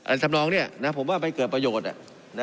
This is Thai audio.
สำนองเนี่ยนะผมว่าไม่เกิดประโยชน์